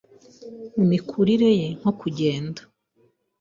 mu mikurire ye nko kugenda,